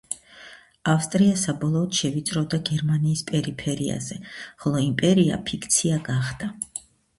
ავსტრია საბოლოოდ შევიწროვდა გერმანიის პერიფერიაზე, ხოლო იმპერია ფიქცია გახდა.